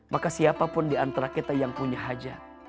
maka siapapun di antara kita yang punya hajat